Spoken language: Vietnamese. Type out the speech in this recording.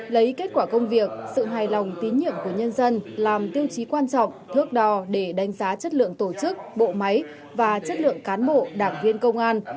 lấy kết quả công việc sự hài lòng tín nhiệm của nhân dân làm tiêu chí quan trọng thước đo để đánh giá chất lượng tổ chức bộ máy và chất lượng cán bộ đảng viên công an